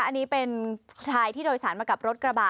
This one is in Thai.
อันนี้เป็นชายที่โดยสารมากับรถกระบะ